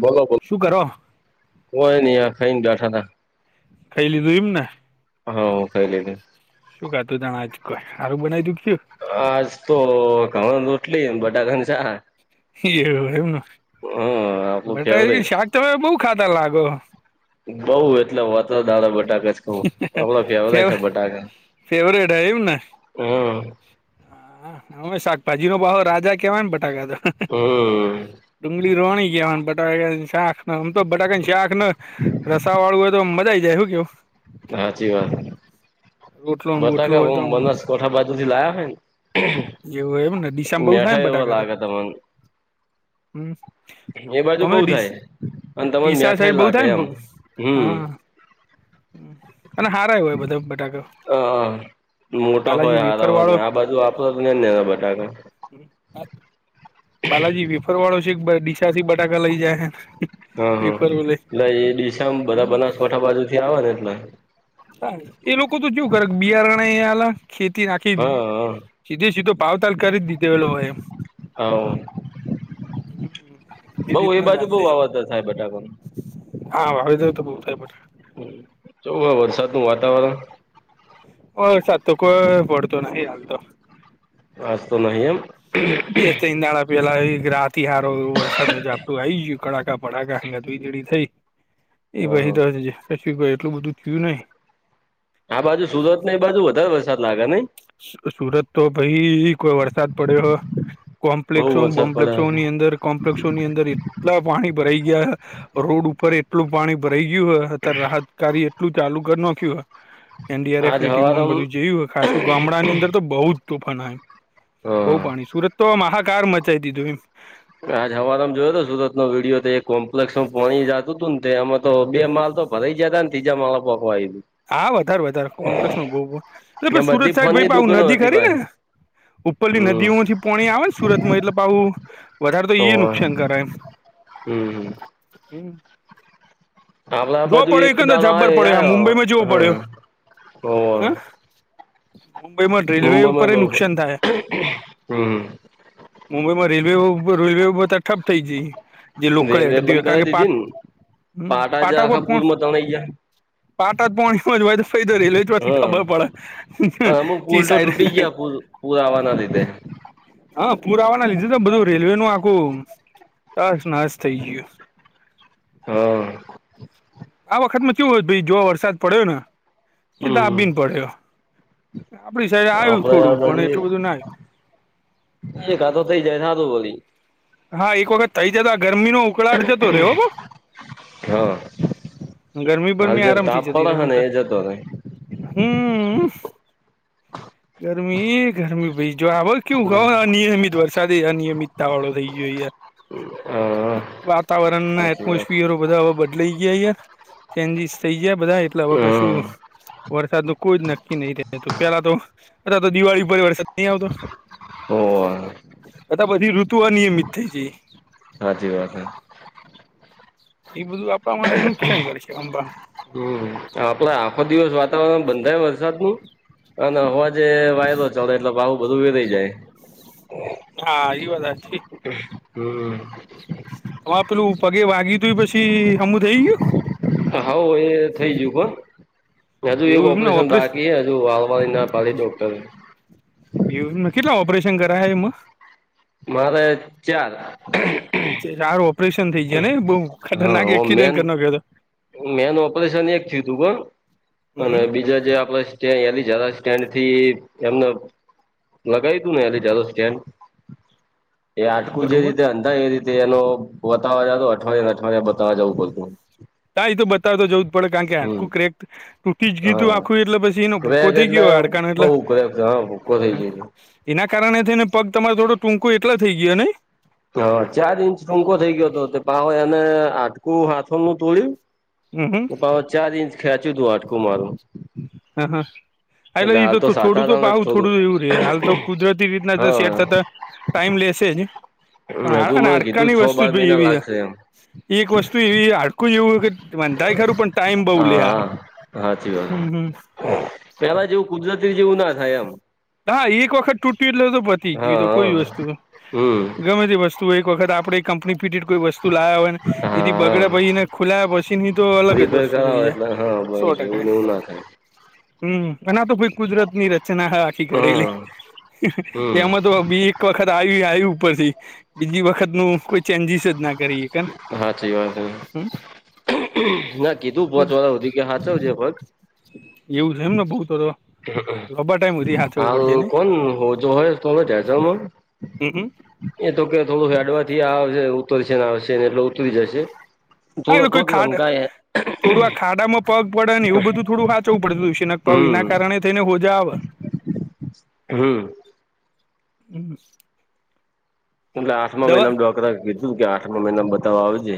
બોલો બોલો શું કરો કોઈને આ ખાઈને બેઠા હતા. ખાઇ લીધું એમને? ખાઈ લીધું શું ખાધું તમે આ જ ક સારું બનાવી દીધું છું? આજ તો ઘઉં રોટલી બટાકાનું શાક. એવું એવુંને. હા. બાટા એવી શાક તો બઉુ ખાધા લાગો? બઉ એટલે માત્ર દાળ બટાકા. જ ખઉં. આપડો ફેવરેટ હે બટાકા ફેવરેટ એમ ને? હમ હા હવે શાકભાજી નો પાછો રાજા કેહવાય ને બટાકા તો. હમ. ડુંગળી રોની ગયા બટાકા સાખમ તો બટાકા ક્યાંક ને રસાવાળું હોય તો મજાઈ જાય શું કેવું? હાચી વાત. રોટલો બોટલો બટકા હ હોય તો [unintelligible] આમ બનાસ કોઠા બાજુ થી લાયા હોય ને એવું એમ ને ડીસામાં બઉુ થાય ને મેઠાઈ એવો બટાકા તો લાગે તમને. હમ એ બાજુ અમે બહ થાય અને તને ડીસા સાઈડ મઠાય બઉુ લાગ થાય એમ. ને હમ. હા અને હારા એવા હોય બધા બટાકા. હ મોટા બાલાજી હોય હારા વેફર હોય ને વાળો આ બાજુ વાપરો ને બટાકા. બાલાજી વેફર વાળો છેક બાઇ દિશા બટાકા લઇ જાય. હ હમ વેફરો લઈ લે એ ડીશમ બધા હમ બનાસકાઠા બાજુ થી આવે ને એટલે. એ લોકો તો કેવું કરે બિયારણાલા ખેતી નાખી હા હા સીધે સીધો ભાવતાલ કરી દીધે એલો હોય એમ. હા, બઉ એ રીતના બાજુ બઉ ચાલશે વાવેતર થાય બટાકાનુ. હા [unintelligible] હમ, કેવું છે વરસાદનું વાતાવરણ? ઓ સાત કો પડતો નહી હાલ તો અસ્ તો નહી એમ બેય ત્રણ દાણા પેલા ગ્રહથી રાતી સારો વરસાદ નું ઝાપટું આ આવી ગયું કડાકા પડાગાને ધીધડી થઈ. એ હા હા પછી દ [unintelligible] રશ ભાઈ એટલું બધું થયું નહી. આ બાજુ સુરતને એ બાજુ વધારે વરસાદ લાગે નહી? સુરત તો ભાઈ કોઈ વરસાદ પડ્યો બહુ કોમ્પ્લેક્સો વરસાદ પડે બમ્પલેક્ષસોની અંદર કોમ્પલેક્ષોની અંદર એટલા પાણી ભરાઈ ગયા રોડ ઉપર એટલું પાણી ભરાઈ ગયું હ અત્યારે રાહત કાર્ય એટલું ચાલુ કરી નાખ્યું એનડીઆરએફ આજ ની ટીમો હવારમ બધું જયું હો ખાસ તો બહુ જ તોફાના એમ હ બહુ પાણી સુરત તો મહાકાર મચાવી દીધું એમ આજ હવારેમ જોયો હતો સુરત નો વિડીયો તો કોમ્પ્લેસમાં પાણી જતું હતું, ને તે એમાં તો બે માલ તો બધ જતા તીજા મલા પાખવા આવી, હા વધારે વધારે કોમ્પ્લેક્ષમાં બવ એટલે તું એ સુરત બધી સાઈડ ફોનની ભય પાઉં દુકાનો નદી હતી ખરી ભાઈ ને ઉપરની હમ નદીઓમાંથી પોણી આવે ને સુરતમાં એટલે પાવું વધારે તો ઈ નુકસાન હમ કરાય એમ હમ હમ્મ, આપડા જોવા બાજુ એક પડ્યો દાડો જબર આયો પડ્યો આ આયો મુંબઈમાં ચેવો પડ્યો, હા હ હોવ મુંબઈમાં રેલવે ઉપર મુંબઈમાં બઉ નુકસાન થાહે હમ મુંબઈ માં રેલવે રેલવે બધા ઠપ થઈ જઈ રેલવે બંધ કરાવી દીધી ને પાટા જ ઉપર આખા પો પુરમાં ત્રણાઈ ગયા, પાટા જ પોણીમાં જ હોય તો તો રેલવે જવાથી ખબર પડે ચી સાઈડ પૂરા આવવાના લીધે હા, પુરા આવવા ના લીધે તો બધું રેલવે નું આખું તાસ નાશ થઈ ગયું, હા, આ વખતમાં કેવું હો ભય જો વરસાદ પડ્યો ને એ હમ દાબીને પડ્યો, આપડી સાઈડ આવ્યું આપડે આ થોડું પણ એટલું બધું ના આવ્યું, એ કાતો થઈ જાય ના તો બોલી હા એક વખત થઇ જતા આ ગરમી નો ઉકળાટ જતો રે હો, હા ગરમી હાલ બરમી જે આરામથી તાપ જતી પડે હે આમ ને તો, એ જતો રે હમ્મ ગરમી ગરમી ભાઈ જો આ કેવું હો અનિયમિત વરસાદ અનિયમિત તાળો હા [unintelligible] વાતાવરણ ના સાચી વાત એટમોસફિયર બદલાઈ જાય ચેન્જીસ થઈ જયા બધા એટલે હવ હમ કશું વરસાદ ન કોઈ જ નક્કી નહી થું પેલા તો અ તો દિવાળી પહી વરસાદ નહી આવતો [unintelligible] અતા બધી ઋતુ ઓ અનિયમિત થઈ જય સાાચી વાત હે એ બધું આપવા માટે નુકસાન કરશે આમબા હમ્મ આપડે આખો દિવસ વાતાવરણ બંધાય વરસાદ નું અને હવાજ આજે વાયદો ચડે એટલે ભાવું બધું વેરાઈ જાય, હા એ વાત સાચી હમ્મ હ પેલું પગે વાગી તું પછી હમું થઈ ગયું, હા એ થઈ ગયું પણ હજુ એક એવું એમને ઓપરેશન બાકી છે, હજુ હળવાની ના કાલી ડોક્ટર એવ કેટલા ઓપરેશન કરા એમાં? મારે ચાર ચાર ઓપરેશન થઈ ગયા ને [inaudible] બહુ ખતરનાક હા મેન અકેડીન્ટ [inaudible] મેન ઓપરેશન એક થયું તું, પણ હમ અને બીજા જે આપડે જ સ્ટેન્ડ થી એમનો લગાઈ તું ને એની ચાલો સ્ટેન્ એ હાડકું જે બરોબર રીતે હંધાય એ રીતે એનો વતાવવા જાતો અઠવાડિયા અઠવાડિયા બતાવવા જવું પડતું તા એ તો બતાવતો જવું જ પડે, કારણ કે હમ હાડકું ક્રેક્ટ તૂટી જ ગીયુતું હા આખું એટલે પછી એનો ભૂકો ક્રેક થઈ એટલે ગયો હડકાણ બઉ એટલે ક્રેક હા ભૂકો થઈ ગયો હ એના કારણે થઈ ને પગ તમારે થોડો ટૂંકો એટલા થઈ ગયો ને? હા, ચાર ઇંચ ટૂંકો થઈ ગયો હતો તે પાવ એને આટકું હાથોનું તોળ્યું. હમ હમ હ ચાર ઇંચ ખેંચ્યું તું આટકું મારું. હ હ હલે એટલે એ હાલ તો થોડું તો સાધારણ જ પાઉ થોડું એવું રે હાલ તો કુદરતી રીતના શેટ થતા હા ટાઈમ લેશે જ પણ હજુ હા મને હાડકા કીધું ની છ વસ્તુ બાર જ ભઈ મહિના એવી હ લાગશે એમ ઈ એક વસ્તુ એવી હાડકું એવું કે વંધાય ખરું પણ ટાઈમ બઉ લે હા હારુ હા હાચી વાત પેલા જેવું કુદરતી જેવું ના થાય એમ. હા એક વખત તૂટીયું એટલે તો પતી જ ગ્યું ઈ હા તો કોઈ હા વસ્તુ હ હમ ગમે તે વસ્તુ એક વખત આપડે કંપની ફીટેડ કોઈ વસ્તુ લાયા હોય ને હા એથી હા બગડે પહિ એને ખુલાયા પછી ની તો અલગ જ વસ્તુ રઇ અ હહ ભાઈ એવું ન એવું ના થાય. હમ્મ અન આતો કોઈ કુદરતની રચના હ આ ઈ ઘડેલી હા હમ એમાં તો બી એક વખત આઈ ઈ આયુ ઉપરથી બીજી વખત નું કોઈ ચેન્જીસ જ ના કરીએ કે હાચી વાત હમ ના કીધું પોચ વરહ હુધી કે હાચવજે ભગ એવું છે એમ ને બહું તો તો હાલ કોન હોજો હે થોડો ઢેચણ હમ મ એ તો કે થોડું હેડવાથી આવશે ઉતરશે ને આવશે ને એટલે ઉતરી જશે. હા થોડો એલે કોઈ પગ ખાડ લંકાય થોડું આ ખાડા માં પગ પડે ને એવું બધું થોડું હા ચવું પડતું હશે નક પાઉ હમ એના કારણે થઈને હોજા આવ હમ્મ. હમ્મ. એટલે આઠમા મહિના ડોકરા કીધું કે આઠમા મહિના બતાવા આવજે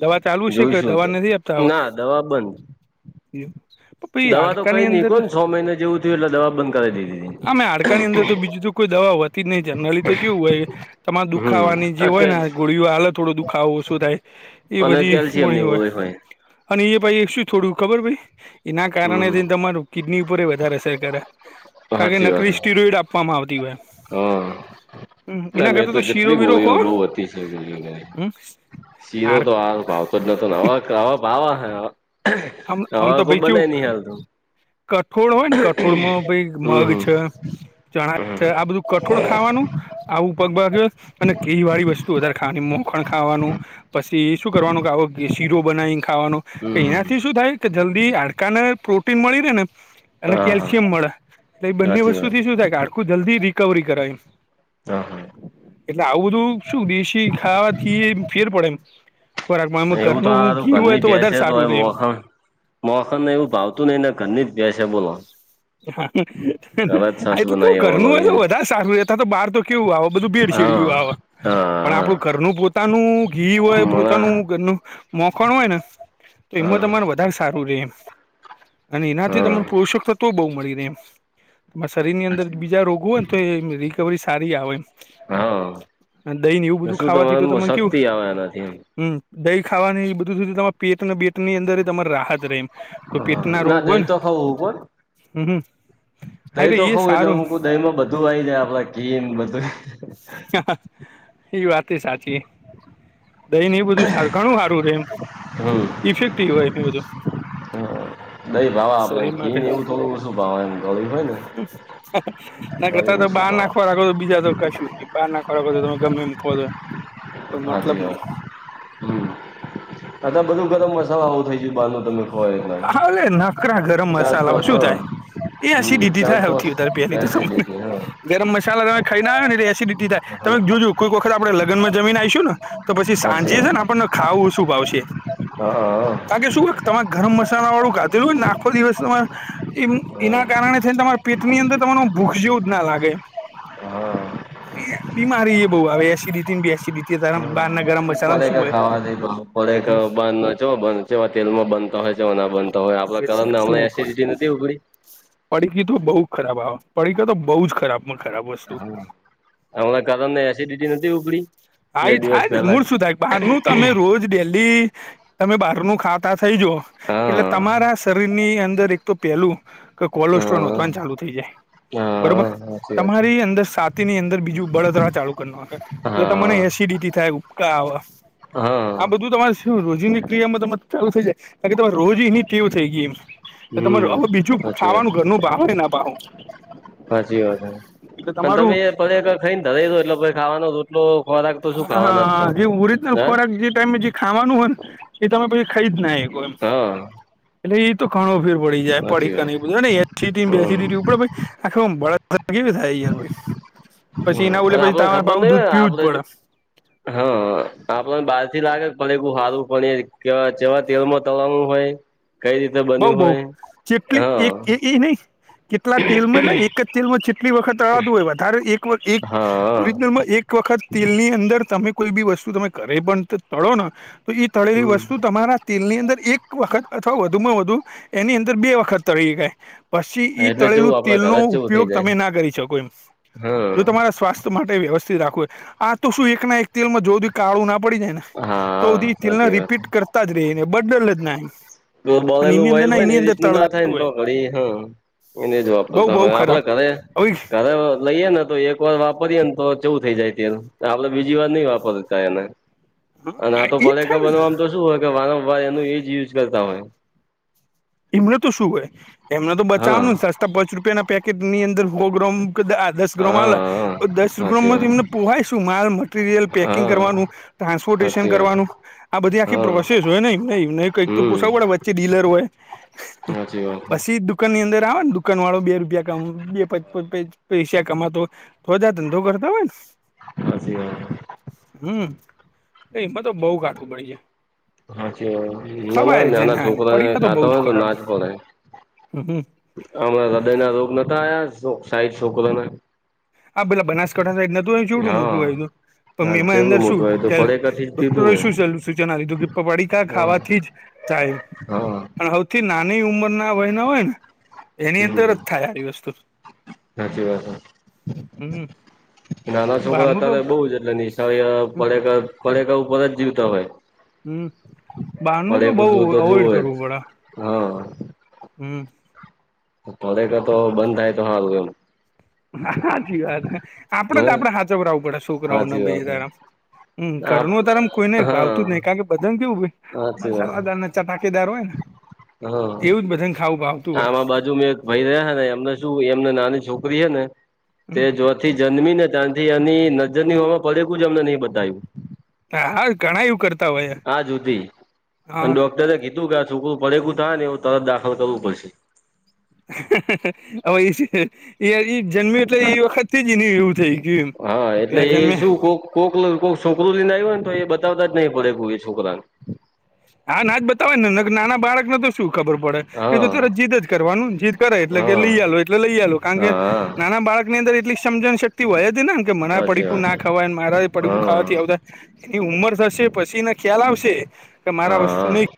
દવા ચાલુ છે કે જોઈશું દવા તો નથી આપતા હવ. ના દવા બંધ દવા તો કઈ નહી કો છ મહિના જેવું થિયુ એટલે દવા બંધ કરાઈ દીધી. આમે હાડકાની અંદર તો બીજું તો કોઈ દવા હોત તી જ નહી જનરલી તો ચેવું હોય તમારે હમ દુખાવાની જે આ હોય કે ને ગોળીઓ આલ થોડો દુખાવો ઓછો થાય. ઈ અને બધી કેલ્શિયમ ની ગોળી હોય. અને ઈ એ પઈ શું થોડું ખબર ભઈ એના કારણે હમ થી તમારું કિડની ઉપર વધારે અસર કરે કારણ કે નકરિ સ્ટીરોઈડ આપવામાં આવતી હોય. હો અ [inaudible] ના એના મેં કરતા તો શીરો જેટલી બીરો ગોળીઓ ખો બઉ બધી [unintelligible] સીરો આમ તો હારો ભાવતો જ નતો હવ ખહવ ભાવહઅ હવ આમ તો કોઈ ભાઈ કેવું બનાય નહિ આલતુ કઠોળ હોય ને કઠોળમાં ભઈ હમ મગ હમ છે ચણા છે આ બધું કઠોળ ખાવાનું આવું પગ ભાગ્યો અને ઘી વાળી વસ્તુ વધારે ખાવાની મો ખણ ખાવાનું પછી શું કરવાનું કે આવો શીરો બનાવીને ખાવાનું હમ કે ઇના હમ શું થાય કે જલ્દી હાડકા ને પ્રોટીન મળી રેન અને હા હા કેલ્શિયમ મળે એટલે એ બંને સાચી વાત વસ્તુથી શું થાય કે હાડકુ જલ્દી રિકવરી કરય ઈમ તો હ એટલે આવું બધું શું દેશી ખાવાથી એ ફેર પડે એમ. ખોરાકમાં આમ એવું તો ઘરનું હારું ઘી હોય ઘરની તો ભેંસ વધારે છે સારું રે એમ. મોખણ મોખણ ને એવું ભાવતું ની ને ઘરની જ ભેંસ હે બોલો [unintelligible] ઘરે જ હ છાસ એટલું તો બનાવી બોલો ઘરનું તો એમ વધારે સારું તો બહાર તો કેવું આવે બધું હા ભેડસેડયું આવ. હા પણ હા આપણું ઘરનું પોતાનું ઘી હોય હા પોતાનું ઘરનું મોખણ હોય ન તો ઈમત હા વધારે સારું રેય એમ અને એનાથી તમને પોષક તત્વો બઉ મળી રેય એમ એમા શરીરની અંદર બીજા રોગો હોય ને તો એ રિકવરી સારી આવે એમ હા અને દહીને એવું બધું શું ખાવાથી તો તમારે તમે કેવું શક્તિ આવે એનાથી એમ હમ દહી ખાવાની બધું સુધી તમા પેટને બેટ ની અંદર તમારે રાહત રહે એમ કોઈ હ પેટના રોગ ના હોય દહી ને તો ખાવ કો હમ હા દહી તો એ ખઉું એટલે સારું મકું દહીમાં બધું વાઈ જાય આપડા કેીમ બધું હ એ વાત સાચી દહી ને એ બધું ઘણું સારું રહેે એમ હમ ઇફેક્ટિવ હોય એ બધું. હમ દઈ ભાવા આપડને કી ને એવું તોોલ શું ભવા એ ગોળ હોય ને ના કરતા ગળ્યું તો ઓછું બહાર ના ભાવે ખોરાકો તો બીજા તો કશું બાર ના ખોરાકો તો તમે ગમે એમ ખોવા દોય. હાજી હ હમ અ બધું ગરમ મસાલા આવો થઈ ગયું બહારનું તમે ખો એટલે હાવે નકરા ગરમ ચાર મસાલાઓ પાંચ શું હા થાય? એ હસી હમ દીદી ચાર થાય સવ પાંચ થ તારે પહેલી તો એસિડિટી હા ગરમ મસાલા તમે ખાઈને આવે ને એટલે એસિડિટી થાય તમે જોજુ કોઈક વખત આપણે લગ્નમાં જમીન આવીશું ને તો પછી હાચી સાંજે છે વાત ને આપણને ખાવું શું ભાવશે હા હા બા કે શું? તમારે ગરમ મસાલા વાળું ગાધેલું હોય ને આખો દિવસ તમારે એ હા એના કારણે થઈને તમારા પેટની અંદર તમાર ભૂખ જેવું જ ના લાગે હા બીમારી એ બઉ આવે એસિડિટી ને બે એસિડિટી ત બાર ના ફે ખાવા ફક બંધ ચ બંધ છે તેલમાં બંધ. બતા હોય છે ના બનતા હોય આપણા અરે કારણ સાહેબ હમણા શું એસસીડિટી નથી ઉગડી પડીકી તો બઉુ ખરાબ આવે પડીકા તો બઉ જ ખરાબ ખરાબ વસ્તુ. હા. હમણાં કદમ ને એસિડિટી નથી ઉપડી હા બે એ દિવસ થાય જને પહેલા જ મૂળ શું થાય બહારનું તમે રોજ ડેલી તમે બહારનું ખા થઈ જ એટલે હા. તમારા શરીરની અંદર એક તો પેલું કોલેસ્ટ્રોલ હા નોંધવાની ચાલુ થઈ જાય હા બરોબર સાચી વાત તમારી અંદર સાત ની અંદર બીજું બળતરા ચાલુ કરખે એટલે તને હા એસિડિટી થાય ઉપકા આવે હા આ બધું તમારે શું રોજની ક્રિયામાં ત ચાલુ થઈ જાય કારણ કેમે રોજ એની વું થઈ ગય એમ. તમાર હમ. હવે બીજું સાચી વાત ખાવાનું ઘરનું ભાવ હોય ના ભાવ. સાચી વાત એટલે અને તમે તમારું પછ ખાઈને થો એટલેછ ખાવાનો તોટલો હા જે ઓરિજનલ ખોરાક જે ટાઈમેમે જે ખાવાનું હોય ને એ તમે પછી ખાઈ જ ના હા એટલે એ તો ઘણું ફીર પડી જાય સાચી વાત પડી ન હ બડે આ કેવી થાયયાર ભાઈ પછી એ ના ઉલે અને પછી આપણને ખબર નહ તમારેું દૂધ હોય પીવું જ આપડે પડે હા આપણને બાર થી લાગે હારું પર કેવા તેલમાં તળવાનું હોય કઈ રીતે બન્યું બઉ બઉ હોય ચેપલી હા એક એ એ નહી. કેટલા તેલમાં એટલે એક જ તેલમાં જેટલી વખત અતું હોય એક એક હા. ઓરિજિનલમાં એક એક વખત તેલ ની અંદર તમે કોઈ બી વસ્તુ તમે કરે પણ તળો ને તો તળેલી હમ. વસ્તુ તમારા તેલ ની અંદર એક વખત અથવા વધુમાં વધુ એની અંદર બે વખત તળ ગાય. પછી એ એટલે ચેવું તળેલું આપડા તેલનો ઘરે જ ચેવું થઇ ઉપયોગ જાય. તમે ના કરી શકો એમ હા. જો તમારા સ્વાસ્થ્ય માટે વ્યવસ્થિત રાખવુ આ તો શું એક ના એક તેલમાં જો કાળું ના પડી જાય ને હા તોધી તિલ સાચી વાત. રિપીટ કરતા જ રહી ને બડર જ ના એમ તો અને બોલેલું એની અંદર હોોલ ના હોય ને એની એ અંદર રીતનું ના થાય તળાતું ને હોય તો કરી હ એ ન જવા બઉ પડતા હવે બઉ ખરાબ આપડે ઘરે હવે ઘરે લઈએે ને તો એક એક વાર વાપરીએ ને તો ચવુ થઈ જાય ત આપડે બીજી વાર નઈ વાપરતા એને અને આ તો ઈ જ ભલેકા થાય ને બનવામ તો શું હોય કે વારંવાર એનું એજ યુઝ કરતા હોય. એમનો તો શું હોય એમનો તો હા બચાવવાનું સસ્તા પાંચ રૂપિયા ના પેકેટ ની અંદર હોગ્રો દસ ગ્રો મા હા હા દસ સાચી વાત ગ્રોમમાંને પવાયશું માલ મટીરિયલ પેકિંગ હા. કરવાનું. ટ્રાન્સપોર્ટેશન સાચી વાત કરવાનું આ બધ આી હા પ્રોસેસ હોય ને એ કઈક તો હમ પૂછાવું પડે વ્ચે ડીલર હોય સાચી વાત બછી દુઃખ દુકાન ની અંદર આવે ને દુકાન વાળો બે રૂપિયા ક બે પૈસા કમાતો કોઇ દાન ધંધો કરતા હોય ને હાચી વાત હમ એમાં તો બહ કાઠું પડી જાય હા નાના ખવાય છે નાના ના છોકરાને પડીકા બઉ ખાતા જ હોય તો ખરાબ નાજ ખવાય હમ હ અમણા હૃદય ના રોગ નતા આયા સાહિંઠ છોકરાના હા પેલા બનાકાંઠામાં નહતું આવ્યું કેટલું મોટું હા આયુ હતું પણ હા એમાં અંદર જેવડું શું મોટું હોય તો કે પડેકાથી જ કીધું ડોક્ટરોને ને શુ સૂચન આલ્યું તું કે પડીકાા હા ખાવાથી જ હા થાય હવે કે નાની ઉંમરના વયના હોય ને એની અંદર હમ જ થાય આવી વસ્તુ સાચી વાત હમ નાના છોકરો બહારનું તો અત્યારે બઉ જ એટલે અને આ પડીકા ઉપર જ જીવતા હોય હમ્મ બારનું તો બઉ પડેકું જોતો અવોઈડ જોવે જ કરવું પડે. હા. હમ્મ કોલેટર તો બંધ થાય તો હારૂ એમ સાચી વાત આપડે હે તો આપડે હાછવરાવું પડે છોકરાને હાચી વાત હે બૈરા. હમ આપ ઘરનું તારેમ કોઈને હા ભાવતું નઈ કારણ કે બધાને કેવું હોય હાચી વાત ચટાકેદાર હોય ને હા એવું જ બધાને ખાવું આપતું હોય આમાં બાજુ મેં એક ભાઈ રહ્યા ને એમને શું એમને નાની છોકરી હે ને તે જો તે જન્મી ને ત્યાંથી એની નજર ની હોવામાં પડે કોઈ પૂજા અમને નહી બતાઈ હા હા ઘણા એવું કરતા હોય હા જયોતિ અને હા ડોક્ટરે કીધું કે આ સુકું પડે એવુ થાય ને એવું તરત દાખલ થવું પડશે હવે એ છે જન્મ્યો એટલે એ વખત તે જ એવું થાય હા કે એટલે એ અજન્મા શું કોક કોક કઈ છોકરું લઈને આવ્યું હોઈને તો એ બતાવતા જ નહીં પૂરે પૂરું એ છોકરાંને હા ના જ બતાવે ને નાના બાળકને તો શું ખબર પડે એ તો હા તરજ જીદ જ કરવાનું જીદ કરે એટલે કે હા લઈ આલો એટલે લઈ આલો કારણ કે હા હા નાના બાળક ની અંદર એટલી સમજણ શક્તિ હોય જ ને કે મારા સાચી પડીકું વાત ના ખવાય મારા પડકું ખાવાથી હા વગર કે ઉંમર થશે પછી એને ખ્યાલ આવશે કે મારા હા વસ્તુને